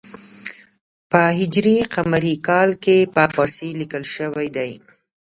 په ه ق کال کې په پارسي لیکل شوی دی.